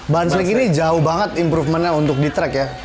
banslik ini jauh banget improvementnya untuk di track ya